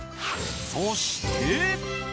そして。